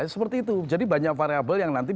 seperti itu jadi banyak variable yang nanti